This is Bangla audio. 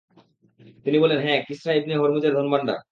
তিনি বলেন, হ্যাঁ, কিসরা ইবনে হুরমুজের ধনভাণ্ডার।